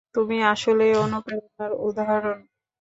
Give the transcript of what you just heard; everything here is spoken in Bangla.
তুমি আসলেই অনুপ্রেরণার উদাহরণ।